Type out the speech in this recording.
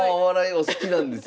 お好きなんですよね。